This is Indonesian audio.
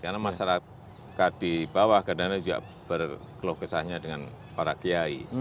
karena masyarakat di bawah kadang kadang juga berkeluh kesahnya dengan para kiai